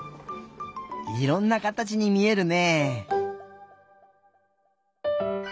いろんなかたちにみえるねえ。